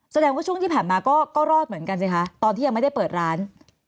แสดงว่าช่วงที่ผ่านมาก็รอดเหมือนกันสิคะตอนที่ยังไม่ได้เปิดร้าน